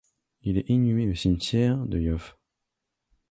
Il est inhumé au cimetière de Yoff.